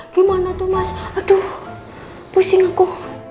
gimana tuh mas aduh pusing aku